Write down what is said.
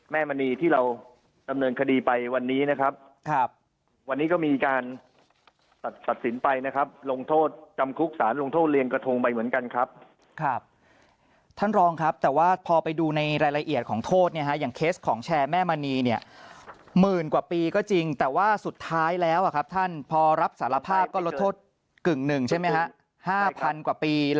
มณีที่เราดำเนินคดีไปวันนี้นะครับครับวันนี้ก็มีการตัดสินไปนะครับลงโทษจำคุกสารลงโทษเรียนกระทงไปเหมือนกันครับครับท่านรองครับแต่ว่าพอไปดูในรายละเอียดของโทษเนี่ยฮะอย่างเคสของแชร์แม่มณีเนี่ยหมื่นกว่าปีก็จริงแต่ว่าสุดท้ายแล้วอ่ะครับท่านพอรับสารภาพก็ลดโทษกึ่งหนึ่งใช่ไหมฮะ